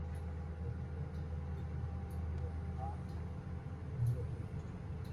Es en sus prácticas fue como conoció a Kyoko.